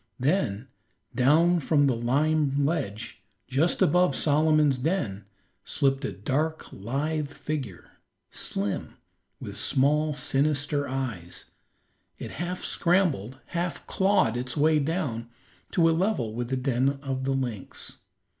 Then down from the lime ledge, just above Solomon's den, slipped a dark, lithe figure, slim, with small, sinister eyes; it half scrambled, half clawed its way down to a level with the den of the lynx.